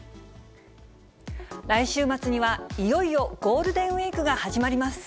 来週末にはいよいよゴールデンウィークが始まります。